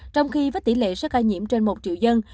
trong khi với tỷ lệ số ca nhiễm trên một triệu dân